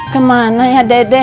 kemana ya dedek